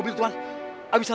terima kasih papa